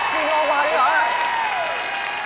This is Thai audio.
สินค้าว่านี่หรอ